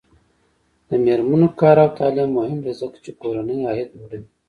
د میرمنو کار او تعلیم مهم دی ځکه چې کورنۍ عاید لوړوي.